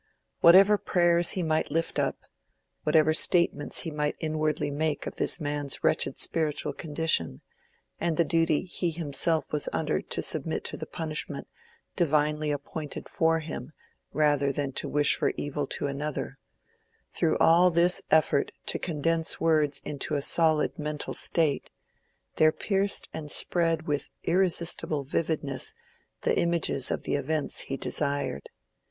Whatever prayers he might lift up, whatever statements he might inwardly make of this man's wretched spiritual condition, and the duty he himself was under to submit to the punishment divinely appointed for him rather than to wish for evil to another—through all this effort to condense words into a solid mental state, there pierced and spread with irresistible vividness the images of the events he desired.